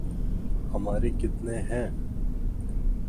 ہمارے کتنے ہیں۔